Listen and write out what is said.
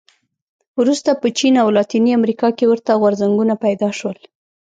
وروسته په چین او لاتینې امریکا کې ورته غورځنګونه پیدا شول.